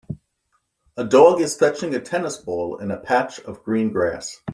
A dog is fetching a tennis ball in a patch of green grass.